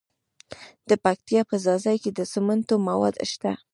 د پکتیا په ځاځي کې د سمنټو مواد شته.